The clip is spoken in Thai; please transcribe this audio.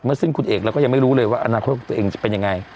ซึ่งคุณเอกเราก็ยังไม่รู้เลยว่าอนาคตของตัวเองจะเป็นยังไง